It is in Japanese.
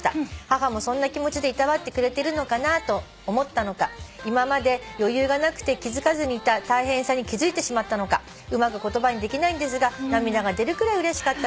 母もそんな気持ちでいたわってくれているのかなと思ったのか今まで余裕がなくて気付かずにいた大変さに気付いてしまったのかうまく言葉にできないんですが涙が出るくらいうれしかったです」